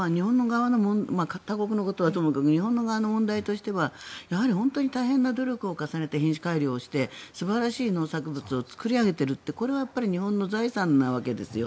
他国のことはともかく日本の側の問題としては本当に大変な努力を重ねて品種改良をして素晴らしい農作物を作り上げているこれは日本の財産なわけですよ。